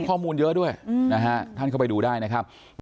ข้อมูลเยอะด้วยนะฮะท่านเข้าไปดูได้นะครับ